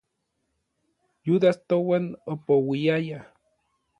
Yudas touan opouiaya.